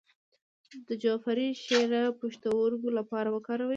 د جعفری شیره د پښتورګو لپاره وکاروئ